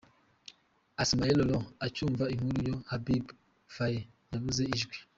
Ismaël Lô acyumva inkuru ya Habib Faye yabuze ijwi.